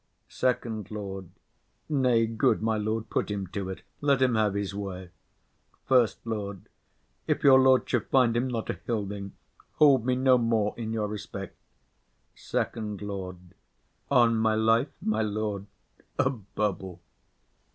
FIRST LORD. Nay, good my lord, put him to't; let him have his way. SECOND LORD. If your lordship find him not a hilding, hold me no more in your respect. FIRST LORD. On my life, my lord, a bubble.